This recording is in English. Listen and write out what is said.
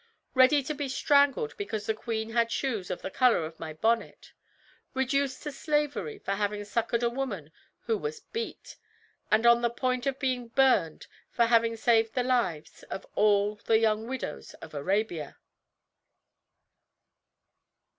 ready to be strangled because the queen had shoes of the color of my bonnet! reduced to slavery for having succored a woman who was beat! and on the point of being burned for having saved the lives of all the young widows of Arabia!"